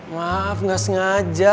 maaf gak sengaja